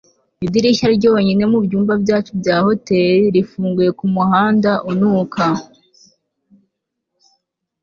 idirishya ryonyine mubyumba byacu bya hoteri rifunguye kumuhanda unuka